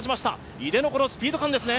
井手のスピード感ですね。